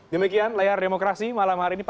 demikian layar demokrasi malam hari ini